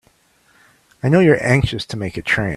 I know you're anxious to make a train.